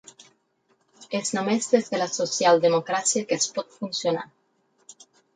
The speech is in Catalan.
És només des de la socialdemocràcia que es pot funcionar.